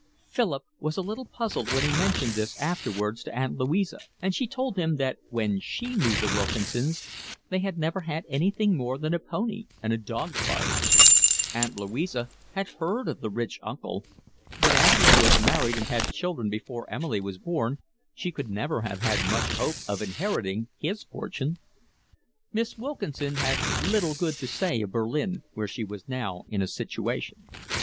Philip was a little puzzled when he mentioned this afterwards to Aunt Louisa, and she told him that when she knew the Wilkinsons they had never had anything more than a pony and a dog cart; Aunt Louisa had heard of the rich uncle, but as he was married and had children before Emily was born she could never have had much hope of inheriting his fortune. Miss Wilkinson had little good to say of Berlin, where she was now in a situation.